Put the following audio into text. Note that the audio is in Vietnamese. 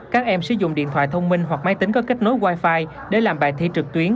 các em sử dụng điện thoại thông minh hoặc máy tính có kết nối wifi để làm bài thi trực tuyến